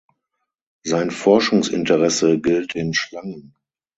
Sein Forschungsinteresse gilt den Schlangen.